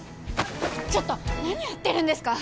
ちょっと何やってるんですか！